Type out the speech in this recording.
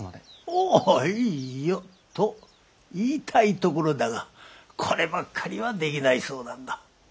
ああいいよ。と言いたいところだがこればっかりはできない相談だ。